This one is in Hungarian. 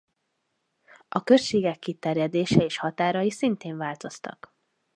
A községek kiterjedése és határai szintén változtak.